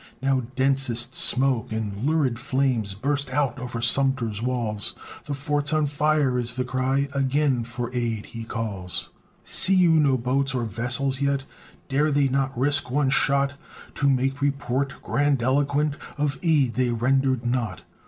Now densest smoke and lurid flames Burst out o'er Sumter's walls; "The fort's on fire," is the cry, Again for aid he calls. See you no boats or vessels yet? Dare they not risk one shot; To make report grandiloquent Of aid they rendered not?